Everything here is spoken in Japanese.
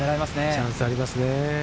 チャンスありますね。